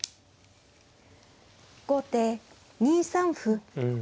後手２三歩。